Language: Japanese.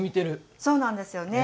そうなんですよね。